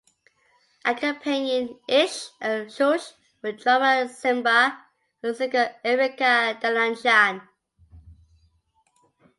Accompanying Esch and Schulz were drummer Ziemba and singer Erica Dilanjian.